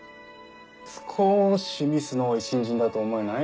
すこしミスの多い新人だと思えない？